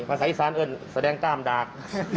ภาษาอีสานเอิ้นแสดงต้ามดาก